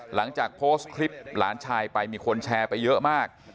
หลังจากโพสต์คลิปหลานชายไปมีคนแชร์ไปเยอะมาก